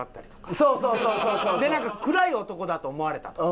なんか暗い男だと思われたとか。